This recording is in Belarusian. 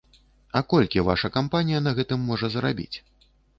А колькі ваша кампанія на гэтым зможа зарабіць?